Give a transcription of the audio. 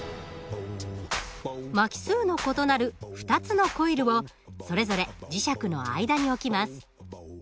巻き数の異なる２つのコイルをそれぞれ磁石の間に置きます。